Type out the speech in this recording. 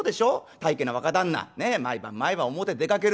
大家の若旦那毎晩毎晩表出かける。